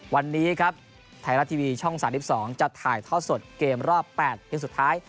วันนี้ครับไทยรัททีวีช่องสามสิบสองจะถ่ายทอดสดเกมรอบแปดที่สุดท้าย